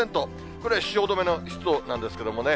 これ、汐留の湿度なんですけれどもね。